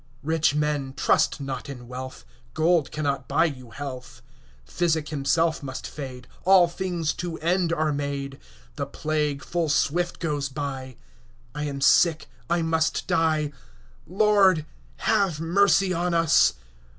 Rich men, trust not in wealth, Gold cannot buy you health; Physic himself must fade; 10 All things to end are made; The plague full swift goes by; I am sick, I must die— Lord, have mercy on us!